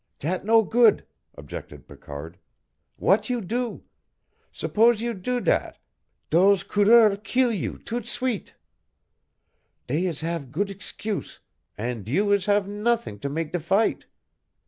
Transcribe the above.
"Dat no good," objected Picard. "W'at you do? S'pose you do dat, dose coureurs keel you toute suite. Dey is have good excuse, an' you is have nothing to mak' de fight.